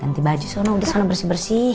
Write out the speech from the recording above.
ganti baju sana bersih bersih